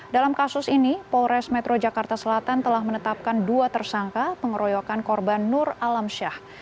dalam kasus ini polres metro jakarta selatan telah menetapkan dua tersangka pengeroyokan korban nur alamsyah